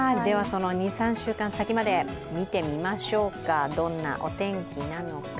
２３週間先まで見てみましょうか、どんなお天気なのか。